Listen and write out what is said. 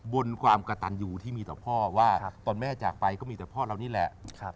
บนความกระตันอยู่ที่มีต่อพ่อว่าตอนแม่จากไปก็มีแต่พ่อเรานี่แหละ